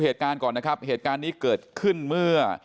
เหตุการณ์ก่อนนะครับเหตุการณ์นี้เกิดขึ้นเมื่อ